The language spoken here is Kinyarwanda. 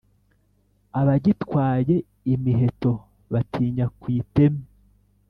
abagitwaye imiheto batinya ku iteme,